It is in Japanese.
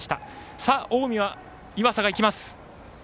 さあ、近江は岩佐がいきます。